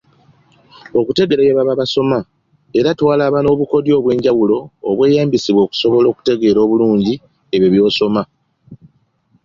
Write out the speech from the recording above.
Okutegeera bye baba basoma era twalaba n’obukodyo obw’enjawulo obweyambisibwa okusobola okutegeera obulungi ebyo by’osoma.